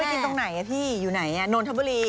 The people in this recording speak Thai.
เขาไปกินตรงไหนอะพี่ยูไหนอะนอนทะบุรี